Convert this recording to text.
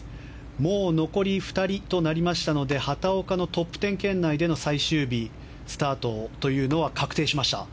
もう残り２人となりましたので畑岡のトップ１０圏内での最終日スタートというのは確定しました。